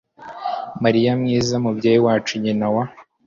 mariya mwiza, mubyeyi wacu, nyina wa